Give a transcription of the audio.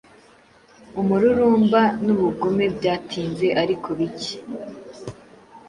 Umururumba nubugome byatinze ariko bike